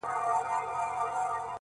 دا دوران دي مور هم دی تېر کړی لېونۍ -